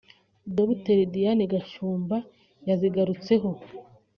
Dr Diane Gashumba yazigarutseho